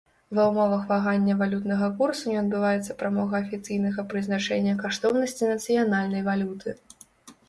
Ва ўмовах вагання валютнага курсу не адбываецца прамога афіцыйнага прызначэння каштоўнасці нацыянальнай валюты.